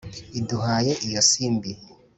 iduhaye iyo simbi